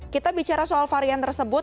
kita bicara soal varian tersebut